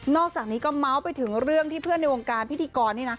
อกจากนี้ก็เมาส์ไปถึงเรื่องที่เพื่อนในวงการพิธีกรนี่นะ